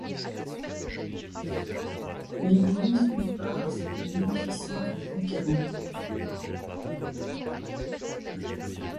L'Église eut part à cette munificence du conquérant.